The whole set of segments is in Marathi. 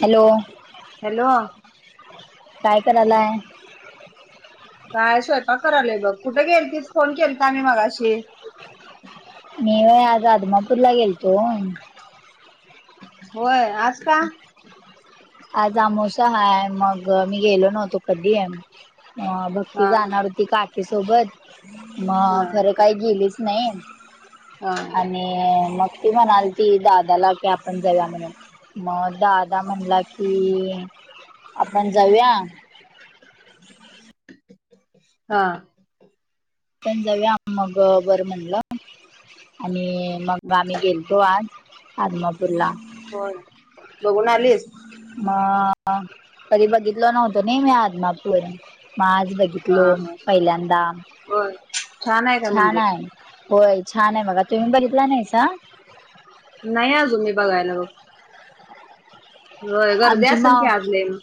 हॅलो. हॅलो. काय करायालय. काय स्वयंपाक करालय बघ कुठे गेईल तीच फोन केल तर आम्ही मगाशी. मी आज आदमापूर ला गेलतो. होय, आज का? आज आमोस हाय मग मी गेलो नव्हतो, कधी आहे मग अ भक्ती हा जाणार होती काकीसोबत हा मग खर. काही गेलेच नाही. ह. आणि मग ती म्हणाल ती दादाला की आपण जव म्हणून मग दादा म्हणला की आपण जाऊया. हा. पण जाऊ आ मग बरं म्हणलं आणि मग हम्म. आम्ही गेलो. तो आज आदमापूरला. होय बघून आलीस. मग कधी बघितल नव्हतो नाही मी आतमा पूर्ण मग आज बघित. हा घितलो हा पहिल्यांदा. होय, छान आहे का छान मंदिर? आहे होय. छान आहे, बघा तुम्ही बघीतला नाहीसा. नाही अजु मी बघायला बघ. होय गर्दी आमची असेल की माव आज लय मग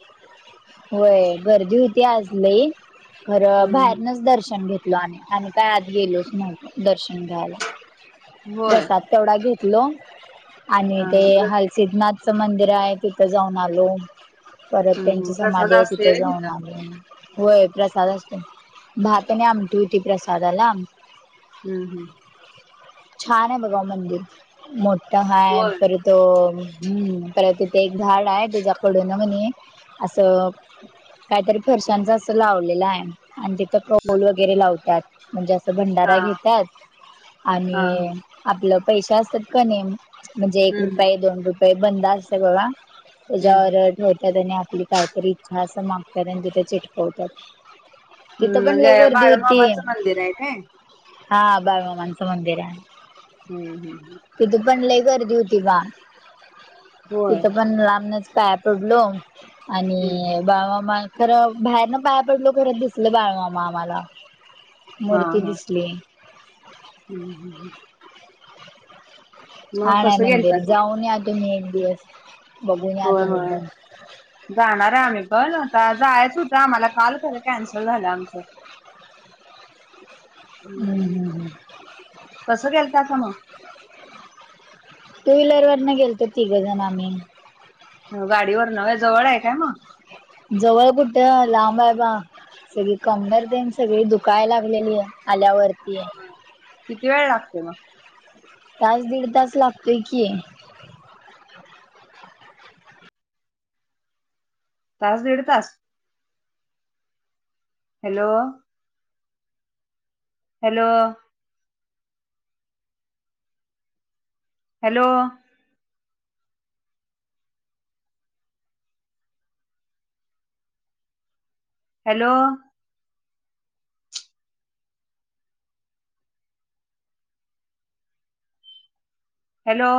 होय गर्दी होती आज लय खरं हम्म हम्म. बाहेरनच दर्शन घेतलो आम्ही आणि काय आत गेलोच नव्हतो दर्शन घ्यायला. होय प्रसाद तेवढा घेतलो आणि हा ते हा. प्र हलसिद्नाथच मंदिर आहे तिथ तिथं जाऊन आलो परत हम्म हम्म. त्यांची प्रसाद समाधी आहे असतोय तिथं व्हय जाऊन आलो. होय प्रसाद असतो, भात आणि आमटी होती प्रसादाला हम्म हम् छान आहे बगवा मंदिर मोठा हाय होय पर तो परत तिथे एक झाड आहे, त्याच्याकडून म्हने असं. काहीतरी फरशांच असं लावलेलं आहे, आणि ते पौल हम्म वगैरे लावतात म्हणजे, असं हा भंडारा घेतात हा हा हम्म आणि आपलं पैसे असतात का नाही म्हणजे एक हम्म रुपये दोन रुपये बंद असत बाघ हम्म त्याच्यावर ठेवतात आणि आपली काहीतरी इच्छा असं मागतात आणि तिथ चिटकवतात. तिथं हम् पण लय म्हणजे गर्दी होती बाळूमामाचं मंदिर आहे, काय? हा बाळूमामांच मंदिर आहे. हम्म हम् हम तिथ पण लय गर्दी होती बा होय तिथं पण लांबनच पाया पडलो हम्म आणि बाळूमामा- खरं बाहेरनं पाया पडलो खरं दिसल बाळमामा आम्हाला हा हा मूर्ती दिसली. हम्म हम ह मग छान हाय कसं मंदिर गेलतासा जाऊन या तुम्ही एक दिवस बघून या होय तुम्ही होय [inaudible] जाणार आहे आम्ही पण आता जायच होतं आम्हाला काल खरं कॅन्सल झालं आमचं. हम्म हम्म हम् कसं गेलतासा मग टू व्हीलर वर न गेलतो तिघजण आम्ही हो गाडीवरन व्हय जवळ आहे काय मग जवळ कुठे लांब आहेबा सगळी कंबर तेन सगळी दुख काय लागलेली आहे आल्यावरती आहे. होय. किती वेळ लागते मग? तास दीड तास लागतोय की. तास दीड तास hello hello hello hello hello